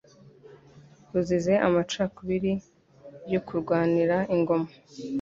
ruzize amacakubiri yo kurwanira Ingoma.